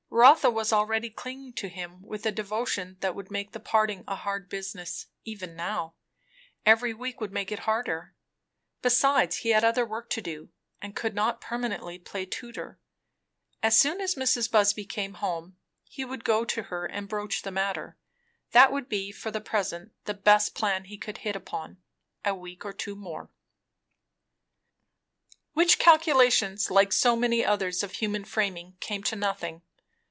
Rotha was already clinging to him with a devotion that would make the parting a hard business, even now; every week would make it harder. Besides, he had other work to do, and could not permanently play tutor. As soon as Mrs. Busby came home he would go to her and broach the matter. That would be, for the present, the best plan he could hit upon. A week or two more Which calculations, like so many others of human framing, came to nothing.